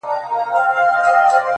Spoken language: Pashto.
مسافرۍ کي دي ايره سولم راټول مي کړي څوک